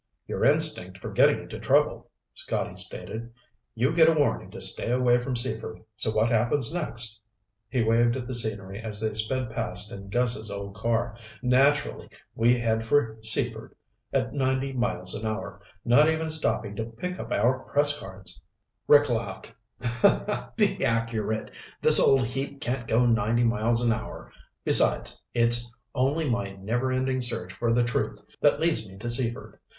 "Your instinct for getting into trouble," Scotty stated. "You get a warning to stay away from Seaford, so what happens next?" He waved at the scenery as they sped past in Gus's old car. "Naturally we head for Seaford at ninety miles an hour, not even stopping to pick up our press cards." Rick laughed. "Be accurate. This old heap can't go ninety miles an hour. Besides, it's only my never ending search for the truth that leads me to Seaford.